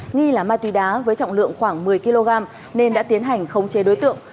nghi là ma túy đá với trọng lượng khoảng một mươi kg nên đã tiến hành khống chế đối tượng